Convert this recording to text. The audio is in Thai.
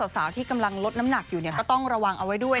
สาวที่กำลังลดน้ำหนักอยู่ก็ต้องระวังเอาไว้ด้วย